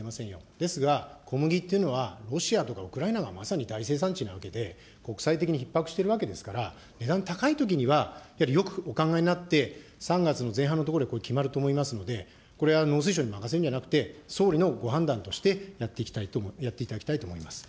ですが、小麦というのはロシアとかウクライナがまさに大生産地なわけで、国際的にひっ迫しているわけですから、値段高いときには、よくお考えになって、３月の前半のところでこれ決まると思いますので、これ、農水省に任せるんじゃなくて、総理のご判断としてやっていただきたいと思います。